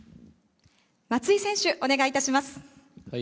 松井選手、お願いいたします。